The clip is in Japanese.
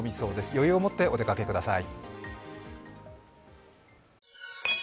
余裕を持ってお出かけください。